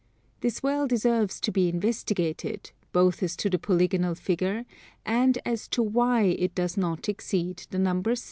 This well deserves to be investigated, both as to the polygonal figure, and as to why it does not exceed the number 6.